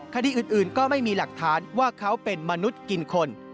คดีอื่นก็ไม่มีหลักฐานว่าเขาเป็นมนุษย์กินคน